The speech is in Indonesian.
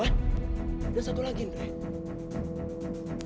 dan satu lagi dre